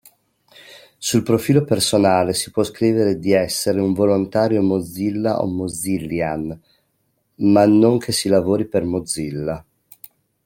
Sul profilo personale si può scrivere di essere un volontario Mozilla o Mozillian ma non che si lavori per Mozilla.